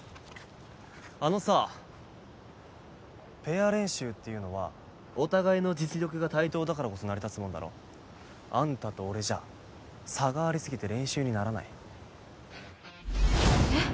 あのさあペア練習っていうのはお互いの実力が対等だからこそ成り立つもんだろあんたと俺じゃ差がありすぎて練習にならないえっ